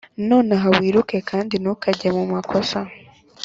"nonaha wiruke, kandi ntukajye mu makosa.